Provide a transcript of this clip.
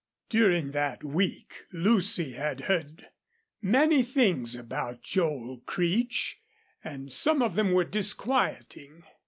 During that week Lucy had heard many things about Joel Creech, and some of them were disquieting.